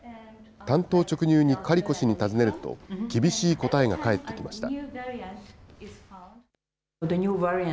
単刀直入にカリコ氏に尋ねると、厳しい答えが返ってきました。